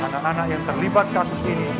anak anak yang terlibat kasus ini